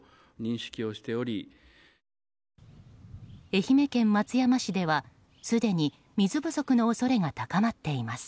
愛媛県松山市ではすでに水不足の恐れが高まっています。